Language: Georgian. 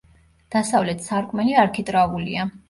დასავლეთ სარკმელი არქიტრავულია.